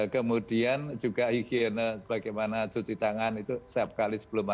kemudian juga higiene bagaimana cuci tangan itu setiap kali sebelum makan